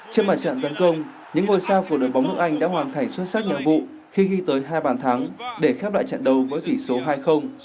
trên màn trận tấn công những ngôi sao của đội bóng nước anh đã hoàn thành xuất sắc nhiệm vụ khi ghi tới hai bàn thắng để khép lại trận đấu với tỷ số hai